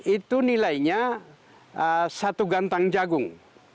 itu nilainya satu gantang jagung